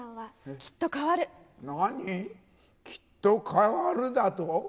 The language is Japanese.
きっと変わるだと？